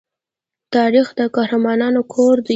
تاریخ د قهرمانانو کور دی.